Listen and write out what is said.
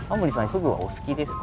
フグはお好きですか？